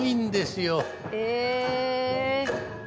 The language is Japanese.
へえ。